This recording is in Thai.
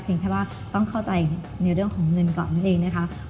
เพียงแค่ว่าต้องเข้าใจเนื้อเรื่องของเงินก่อนเองนะครับ